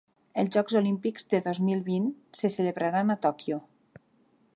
Els jocs olímpics de dos mil vint se celebraran a Tòquio.